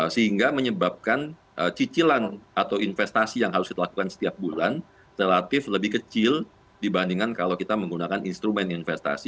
sehingga menyebabkan cicilan atau investasi yang harus kita lakukan setiap bulan relatif lebih kecil dibandingkan kalau kita menggunakan instrumen investasi